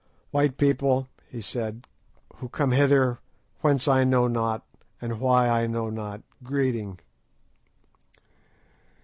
"White people," he said, "who come hither, whence I know not, and why I know not, greeting."